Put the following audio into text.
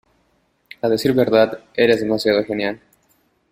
A decir verdad, eres demasiado genial.